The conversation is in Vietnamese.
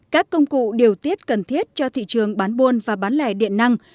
các công cụ điều tiết cần thiết cho thị trường